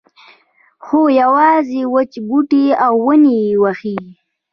خو یوازې وچ بوټي او ونې یې وهي.